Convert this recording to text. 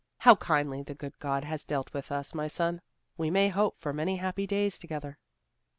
How kindly the good God has dealt with us, my son! We may hope for many happy days together!"